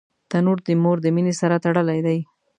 تنور د مور د مینې سره تړلی دی